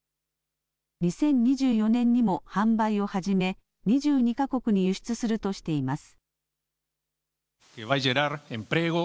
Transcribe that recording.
２０２４年にも販売を始め２２か国に輸出するとしています。